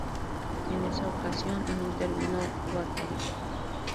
En esa ocasión no intervino Guatavita.